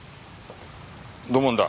土門だ。